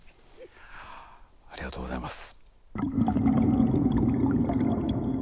ありがとうございます。